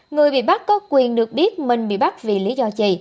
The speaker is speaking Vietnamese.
người bị bắt có quyền được biết mình bị bắt vì lý do chì